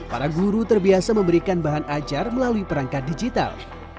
para guru terbiasa memberikan bahan ajar melalui perangkat digital